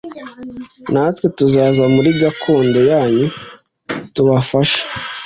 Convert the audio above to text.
natwe tuzaza muri gakondo yanyu tubafashe.”